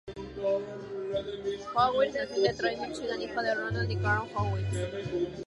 Horwitz nació en Detroit, Míchigan, hijo de Ronald y Carol Horwitz.